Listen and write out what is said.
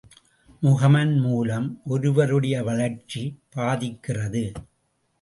முகமன் மூலம் ஒருவருடைய வளர்ச்சி பாதிக்கிறது.